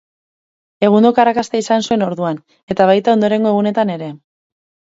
Egundoko arrakasta izan zuen orduan, eta baita ondorengo egunetan ere.